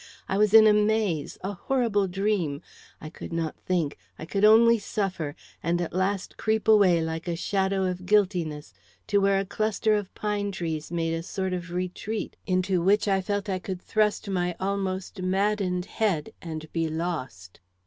I was in a maze, a horrible dream; I could not think, I could only suffer, and at last creep away like a shadow of guiltiness to where a cluster of pine trees made a sort of retreat into which I felt I could thrust my almost maddened head and be lost.